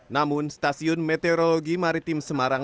namun stasiun meteorologi maritim semarang